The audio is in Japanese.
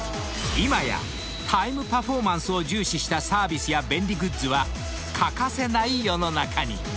［今やタイムパフォーマンスを重視したサービスや便利グッズは欠かせない世の中に］